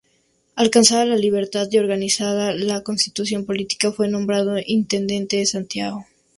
Alcanzada la libertad y organizada la constitución política fue nombrado intendente de Santiago.